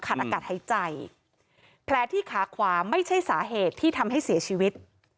อากาศหายใจแผลที่ขาขวาไม่ใช่สาเหตุที่ทำให้เสียชีวิต